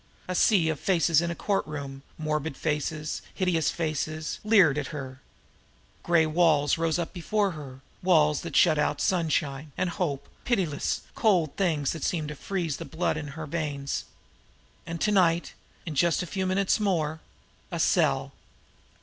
A sea of faces in a courtroom, morbid faces, hideous faces, leered at her. Gray walls rose before her, walls that shut out sunshine and hope, pitiless, cold things that seemed to freeze the blood in her veins. And to night, in just a few minutes more a cell!